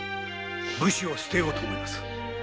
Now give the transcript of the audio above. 武士を捨てようと思います。